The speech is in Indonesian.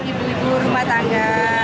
bisa beli puluh rumah tangga